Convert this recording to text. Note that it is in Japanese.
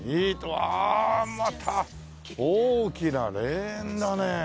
うわまた大きな霊園だね。